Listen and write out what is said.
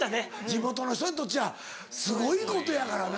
地元の人にとっちゃすごいことやからな。